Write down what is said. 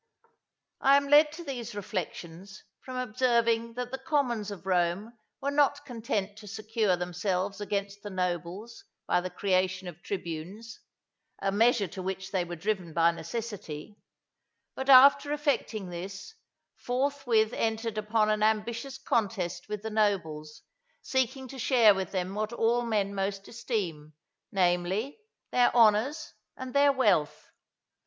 I am led to these reflections from observing that the commons of Rome were not content to secure themselves against the nobles by the creation of tribunes, a measure to which they were driven by necessity, but after effecting this, forthwith entered upon an ambitious contest with the nobles, seeking to share with them what all men most esteem, namely, their honours and their wealth.